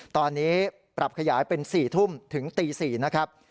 ตอนนี้ปรับขยายเป็น๔ทุ่มถึงตี๔นะครับ